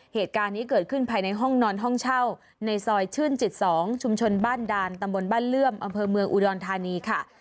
เหตุการณ์นี้เกิดขึ้นภายในห้องนอนห้องเช่าในซอยชื่นจิต๒ชุมชนบ้านดานตำบลบ้านเลื่อมอำเภอเมืองอุดรธานีค่ะ